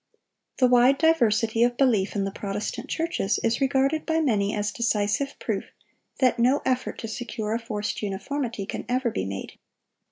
The wide diversity of belief in the Protestant churches is regarded by many as decisive proof that no effort to secure a forced uniformity can ever be made.